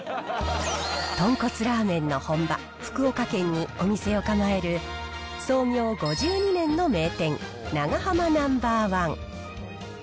豚骨ラーメンの本場、福岡県にお店を構える、創業５２年の名店、長浜ナンバーワン。